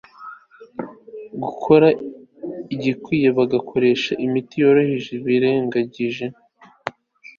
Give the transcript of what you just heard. gukora igikwiriye bagakoresha imiti yoroheje birengagije